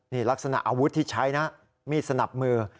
นี่ลักษณะอาวุธที่ใช้นะมีดสนับมือ